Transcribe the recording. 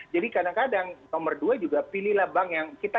jadi kadang kadang nomor dua juga pilihlah bank yang kita nyuruh